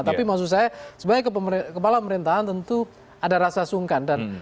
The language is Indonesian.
tapi maksud saya sebagai kepala pemerintahan tentu ada rasa sungkan